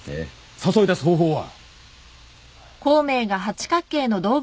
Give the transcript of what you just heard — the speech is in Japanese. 誘い出す方法は？